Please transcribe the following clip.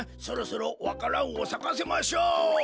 そろそろわか蘭をさかせましょう。